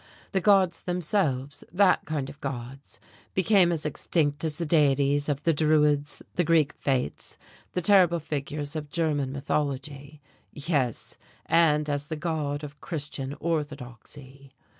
The gods themselves, that kind of gods, became as extinct as the deities of the Druids, the Greek fates, the terrible figures of German mythology. Yes, and as the God of Christian orthodoxy.